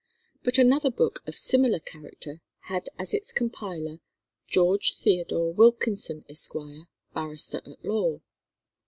But another book of similar character had as its compiler "George Theodore Wilkinson, Esq.," barrister at law.